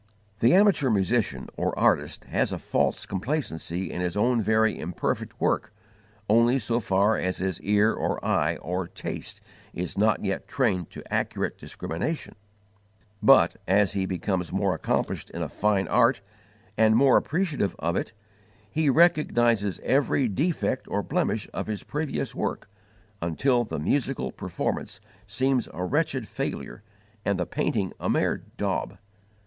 The amateur musician or artist has a false complacency in his own very imperfect work only so far as his ear or eye or taste is not yet trained to accurate discrimination; but, as he becomes more accomplished in a fine art, and more appreciative of it, he recognizes every defect or blemish of his previous work, until the musical performance seems a wretched failure and the painting a mere daub.